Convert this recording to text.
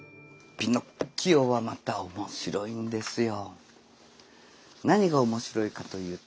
「ピノッキオ」はまた面白いんですよ。